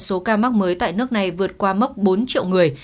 số ca mắc mới tại nước này vượt qua mốc bốn triệu người